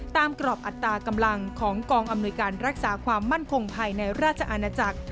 กรอบอัตรากำลังของกองอำนวยการรักษาความมั่นคงภายในราชอาณาจักร